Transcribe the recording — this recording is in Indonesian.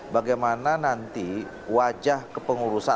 bagaimana nanti wajah kepengurusan